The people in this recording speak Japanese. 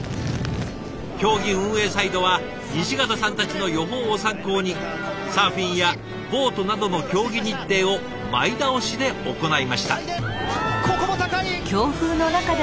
競技運営サイドは西潟さんたちの予報を参考にサーフィンやボートなどの競技日程を前倒しで行いました。